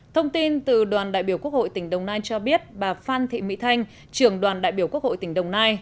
thông tin từ đoàn đại biểu quốc hội tỉnh đồng nai cho biết bà phan thị mỹ thanh trưởng đoàn đại biểu quốc hội tỉnh đồng nai